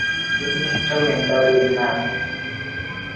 மின்னேற்றம் என்றால் என்ன?